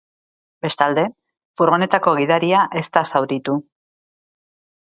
Bestalde, furgonetako gidaria ez da zauritu.